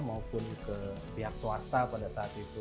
maupun ke pihak swasta pada saat itu